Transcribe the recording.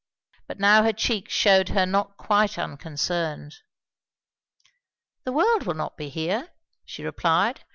But now her cheeks shewed her not quite unconcerned. "The world will not be here," she replied.